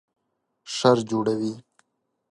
شر جوړوي